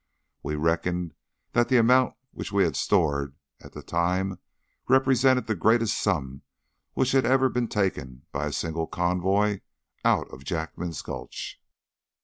We reckoned that the amount which we had stored at the time represented the greatest sum which had ever been taken by a single convoy out of Jackman's Gulch.